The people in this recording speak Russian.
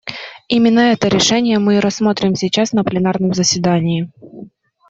Именно это решение мы и рассмотрим сейчас на пленарном заседании.